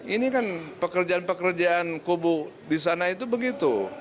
ini kan pekerjaan pekerjaan kubu di sana itu begitu